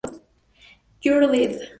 You're Dead!